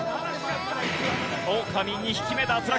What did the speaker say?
オオカミ２匹目脱落。